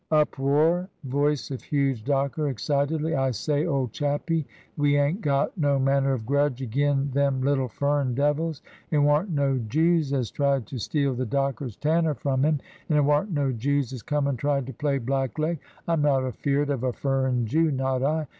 [Uproar: voice of huge docker, excitedly, "I say, old chappie ! We ain't got no manner of grudge ag'in them little furrin devils. It warn't no Jews as tried to steal the Docker's Tanner from him ; and it warn't no Jews as come and tried to play Blackleg. I'm not afeard of a furrin Jew — not I.